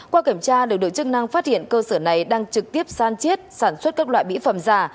qua kiểm tra lực lượng chức năng phát hiện cơ sở này đang trực tiếp san chiết sản xuất các loại mỹ phẩm giả